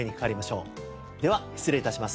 では失礼致します。